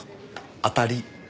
当たり。